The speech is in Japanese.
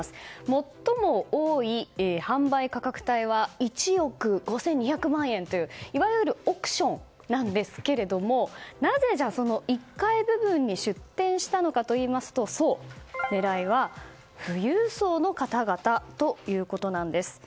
最も多い販売価格帯は１億５２００万円といういわゆる億ションなんですけどもなぜ、その１階部分に出店したのかといいますとそう、狙いは富裕層の方々ということなんです。